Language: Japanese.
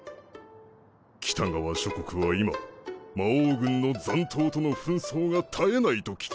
北側諸国は今魔王軍の残党との紛争が絶えないと聞きます。